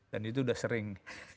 dan itu udah sering